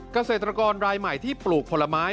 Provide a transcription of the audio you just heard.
เกษตรกรรายใหม่ที่ปลูกผลไม้